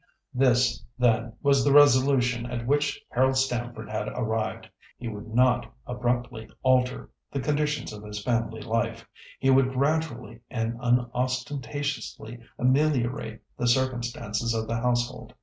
This, then, was the resolution at which Harold Stamford had arrived. He would not abruptly alter the conditions of his family life; he would gradually and unostentatiously ameliorate the circumstances of the household.